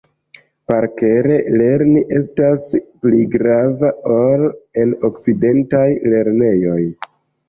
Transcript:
Parkere lerni estas pli grava ol en okcidentaj lernejoj.